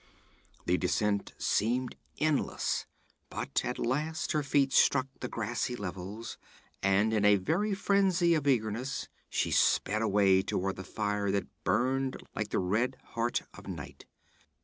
The descent seemed endless, but at last her feet struck the grassy levels, and in a very frenzy of eagerness she sped away toward the fire that burned like the red heart of night.